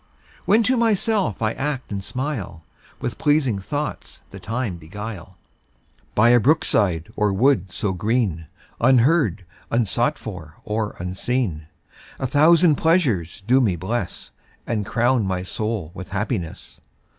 When to myself I act and smile, With pleasing thoughts the time beguile, By a brook side or wood so green, Unheard, unsought for, or unseen, A thousand pleasures do me bless, And crown my soul with happiness.